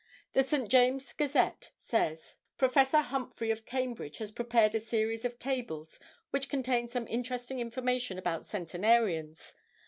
The St. James Gazette says:— "Prof. Humphry of Cambridge has prepared a series of tables which contain some interesting information about centenarians.